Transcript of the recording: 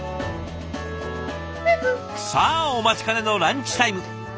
さあお待ちかねのランチタイム。